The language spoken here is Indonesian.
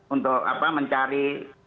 untuk apa mencari